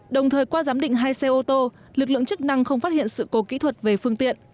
đồng thời qua giám định hai xe ô tô lực lượng chức năng không phát hiện sự cố kỹ thuật về phương tiện